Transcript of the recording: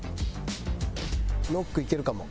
ノックいけるかも。